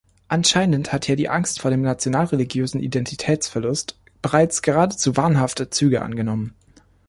Anscheinend hat hier die Angst vor dem national-religiösen Identitätsverlust bereits geradezu wahnhafte Züge angenommen.